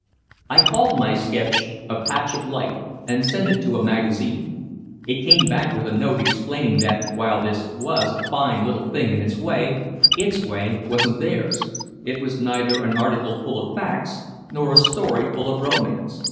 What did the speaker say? I called my sketch "A Patch of Light," and sent it to a magazine. It came back with a note explaining that, while this was a fine little thing in its way, its way wasn't theirs, it was neither an article full of facts nor a story full of romance.